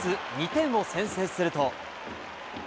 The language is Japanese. ２点を先制すると。